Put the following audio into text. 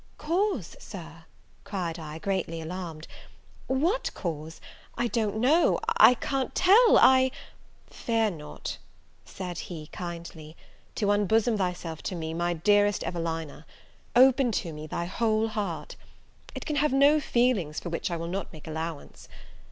"Cause, Sir!" cried I, greatly alarmed, "what cause? I don't know, I can't tell I " "Fear not," said he, kindly, "to unbosom thyself to me, my dearest Evelina; open to me thy whole heart, it can have no feelings for which I will not make allowance.